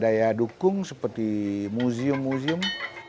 juga daya daya dukung seperti museum museum